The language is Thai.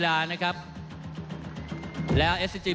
ท่านแรกครับจันทรุ่ม